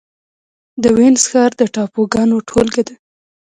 د وينز ښار د ټاپوګانو ټولګه ده.